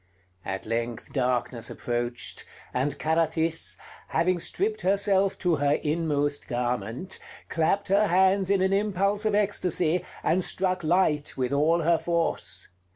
At length darkness approached, and Carathis, having stripped herself to her inmost garment, clapped her hands in an impulse of ecstasy, and struck light with all her force.